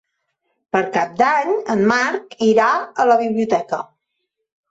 Per Cap d'Any en Marc irà a la biblioteca.